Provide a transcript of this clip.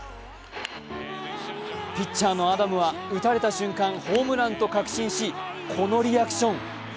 ピッチャーのアダムは打たれた瞬間、ホームランと確信し、このリアクション。